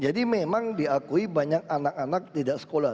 jadi memang diakui banyak anak anak tidak sekolah